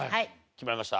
決まりました？